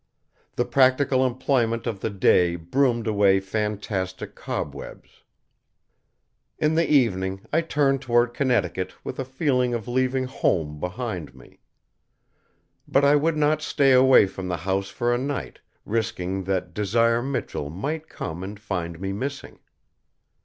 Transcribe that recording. The practical employment of the day broomed away fantastic cobwebs. In the evening I turned toward Connecticut with a feeling of leaving home behind me. But I would not stay away from the house for a night, risking that Desire Michell might come and find me missing.